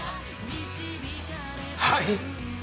はい。